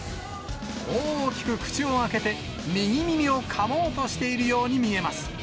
大きく口を開けて右耳をかもうしているように見えます。